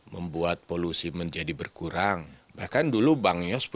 membuat polusi menjadi berkurang